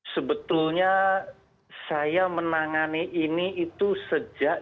sebetulnya saya menangani ini itu sejak dua ribu tujuh belas